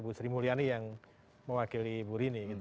bu sri mulyani yang mewakili bu rini gitu